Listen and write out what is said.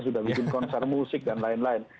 sudah bikin konser musik dan lain lain